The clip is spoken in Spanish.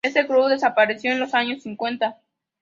Este club desapareció en los años cincuenta.